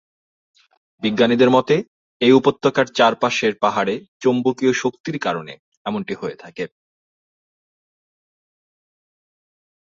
বিজ্ঞানীদের মতে, এ উপত্যকার চারপাশের পাহাড়ে চৌম্বকীয় শক্তির কারণে এমনটি হয়ে থাকে।